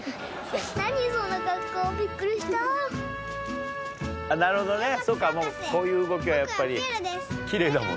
・何その格好びっくりした・あっなるほどねそうかもうこういう動きはやっぱり奇麗だもんね。